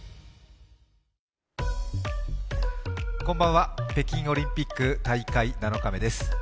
こんばんは北京オリンピック大会７日目です。